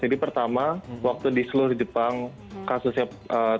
jadi pertama waktu di seluruh jepang kasusnya tertinggi